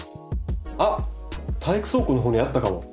あっ体育倉庫のほうにあったかも。